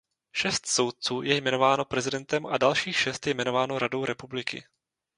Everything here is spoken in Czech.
Šest soudců je jmenováno prezidentem a dalších šest je jmenováno radou republiky.